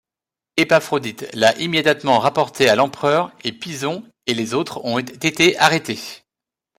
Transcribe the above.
Épaphrodite l'a immédiatement rapporté à l'empereur et Pison et les autres ont été arrêtés.